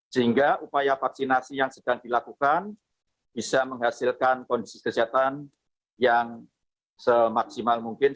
sehingga upaya vaksinasi yang sedang dilakukan bisa menghasilkan kondisi kesehatan yang semaksimal mungkin